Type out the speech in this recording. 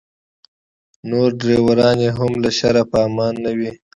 نور ډریوران یې هم له شره په امن نه وي.